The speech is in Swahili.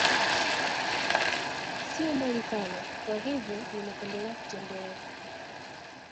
Siyo mbali sana, kwa hivyo ninapendelea kutembea.